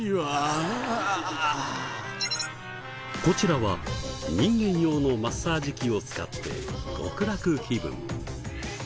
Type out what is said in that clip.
こちらは人間用のマッサージ機を使って極楽気分。